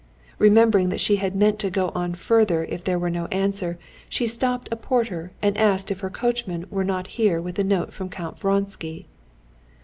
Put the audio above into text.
Remembering that she had meant to go on further if there were no answer, she stopped a porter and asked if her coachman were not here with a note from Count Vronsky.